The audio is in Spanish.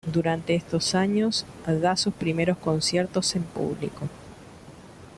Durante estos años da sus primeros conciertos en público.